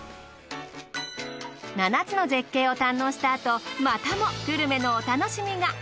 ７つの絶景を堪能したあとまたもグルメのお楽しみが。